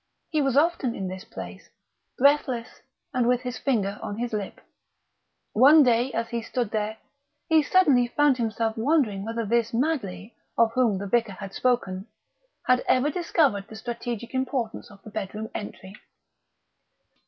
He was often in this place, breathless and with his finger on his lip. One day, as he stood there, he suddenly found himself wondering whether this Madley, of whom the vicar had spoken, had ever discovered the strategic importance of the bedroom entry.